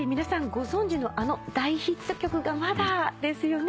ご存じのあの大ヒット曲がまだですよね。